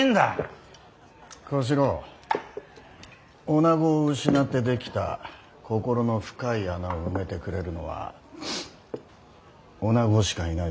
女子を失って出来た心の深い穴を埋めてくれるのは女子しかいないぜ。